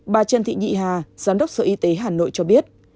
bà trần thị nhị hà giám đốc sở y tế hà nội cho biết